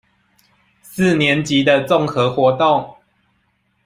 四年級的綜合活動